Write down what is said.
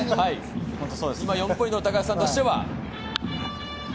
今４ポイントの高橋さんとしては。